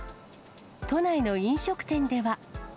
都内の飲食店では。